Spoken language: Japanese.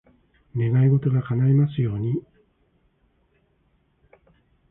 願い事が叶いますように。